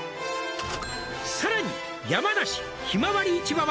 「さらに山梨ひまわり市場は」